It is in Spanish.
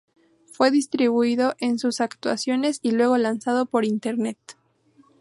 Fue distribuido en sus actuaciones y luego lanzado por Internet.